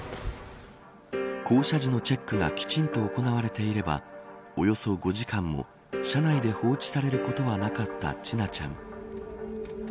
降車時のチェックがきちんと行われていればおよそ５時間も、車内で放置されることはなかった千奈ちゃん。